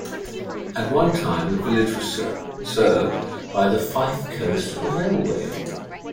At one time the village was served by the Fife Coast Railway.